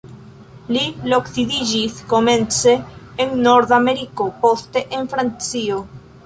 Li loksidiĝis komence en Nord-Ameriko, poste en Francio.